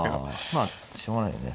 まあしょうがないよね。